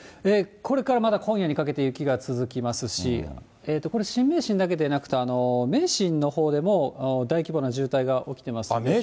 これからまだ今夜にかけて雪が続きますし、これ、新名神だけでなくて、名神のほうでも、大規模な渋滞が起きてます。